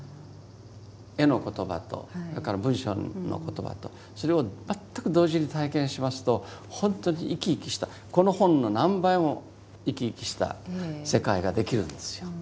絵の言葉とそれから文章の言葉とそれを全く同時に体験しますと本当に生き生きしたこの本の何倍も生き生きした世界ができるんですよ。